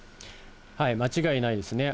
間違いないですね。